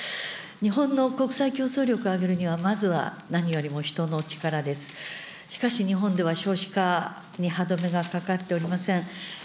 日本の国際競争力を上げるには、まずは何よりも人の力です、しかし、日本では少子化に歯止めがかかっておりません。